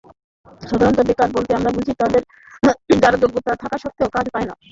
সাধারণত বেকার বলতে আমরা বুঝি তঁাদের, যাঁরা যোগ্যতা থাকা সত্ত্বেও কাজ পান না।